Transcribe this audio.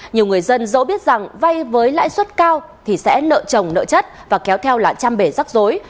nhiều người dân dẫu biết rằng vay với lãi suất cao thì sẽ nợ trồng nợ chất và kéo theo là chăm bể rắc rối